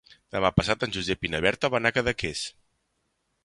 Demà passat en Josep i na Berta van a Cadaqués.